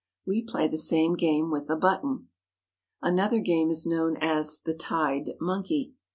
We play the same game with the button. Another game is known as the "tied monkey.